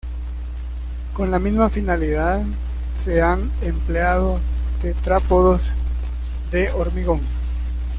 Con la misma finalidad se han empleado tetrápodos de hormigón.